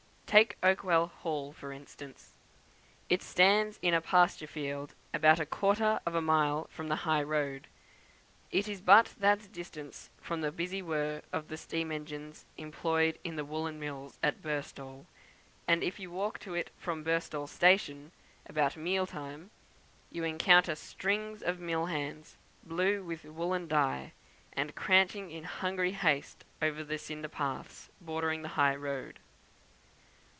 Take Oakwell Hall, for instance. It stands in a pasture field, about a quarter of a mile from the high road. It is but that distance from the busy whirr of the steam engines employed in the woollen mills at Birstall; and if you walk to it from Birstall Station about meal time, you encounter strings of mill hands, blue with woollen dye, and cranching in hungry haste over the cinder paths bordering the high road.